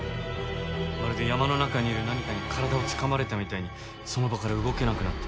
まるで山の中にいる何かに体をつかまれたみたいにその場から動けなくなって。